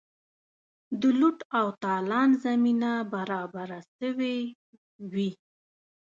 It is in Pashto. د لوټ او تالان زمینه برابره سوې وي.